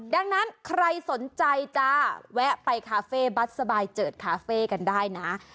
ดังนั้นใครสนใจจะแวะไปคาเฟ่บัสสบายเจิดคาเฟ่กันได้นะ